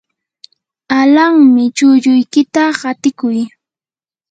alanmi, chulluykita qatiykuy.